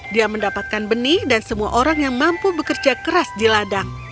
dia mendapatkan benih dan semua orang yang mampu bekerja keras di ladang